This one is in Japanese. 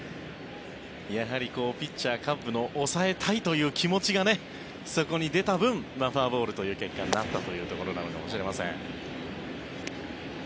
やはりピッチャー、カッブの抑えたいという気持ちがそこに出た分フォアボールという結果になったというところなのかもしれません。